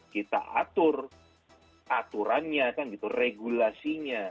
kita atur aturannya kan gitu regulasinya